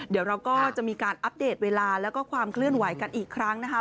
เดี๋ยวเราก็จะมีการอัปเดตเวลาแล้วก็ความเคลื่อนไหวกันอีกครั้งนะคะ